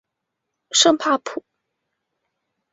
圣帕普。